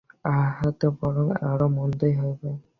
তাহাতে বরং আরও মন্দই হইবে।